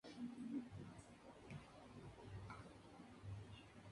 Esta especie de mariposa se encuentra localizada en África.